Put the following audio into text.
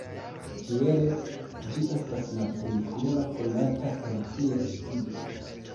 Tiele ĝi estas la plej frua konata el ties tipo.